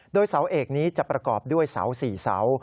โดยเสาเอกนี้จะประกอบด้วยเสา๔เสา